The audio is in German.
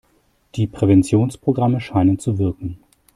Die Präventionsprogramme scheinen zu wirken.